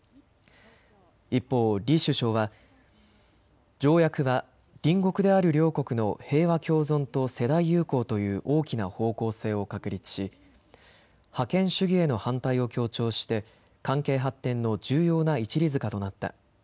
一方、李首相は条約は隣国である両国の平和共存と世代友好という大きな方向性を確立し覇権主義への反対を強調して関係発展の重要な一里塚となった。